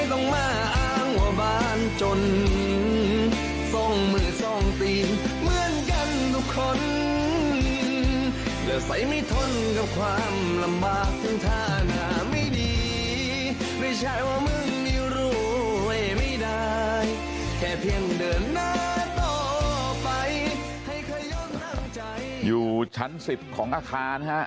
อยู่ชั้นสิบของอาคารค่ะ